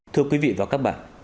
thưa quý vị và các bạn